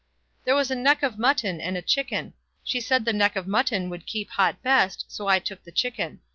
"There was a neck of mutton and a chicken. She said the neck of mutton would keep hot best, so I took the chicken.